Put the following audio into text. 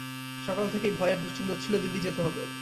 সকাল থেকেই ভয় আর দুশিন্তা হচ্ছিলো দিল্লি যেতে হবে।